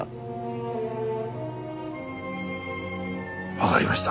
わかりました。